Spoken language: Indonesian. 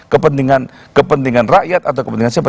kepentingan rakyat atau kepentingan siapa